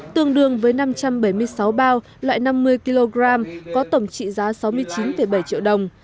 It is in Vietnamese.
tương đương với năm trăm bảy mươi sáu bao loại năm mươi kg có tổng trị giá sáu mươi chín bảy triệu đồng